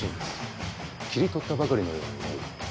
切り取ったばかりのように見える。